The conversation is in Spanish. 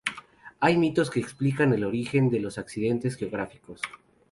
Hay mitos que explican el origen de los accidentes geográficos.